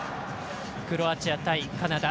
クロアチア対カナダ。